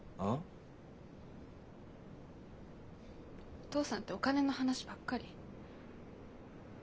お父さんってお金の話ばっかり。